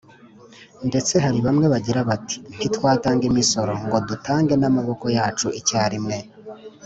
ndetse hari bamwe bagira bati: ntitwatanga imisoro ngo dutange n’amaboko yacu icyarimwe”